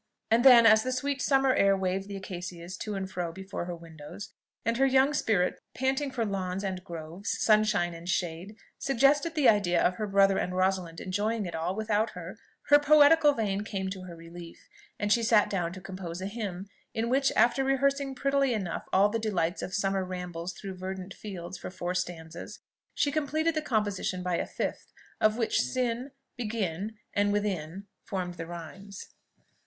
and then, as the sweet summer air waved the acacias to and fro before her windows, and her young spirit, panting for lawns and groves, sunshine and shade, suggested the idea of her brother and Rosalind enjoying it all without her, her poetical vein came to her relief, and she sat down to compose a hymn, in which, after rehearsing prettily enough all the delights of summer rambles through verdant fields, for four stanzas, she completed the composition by a fifth, of which "sin," "begin," and "within," formed the rhymes.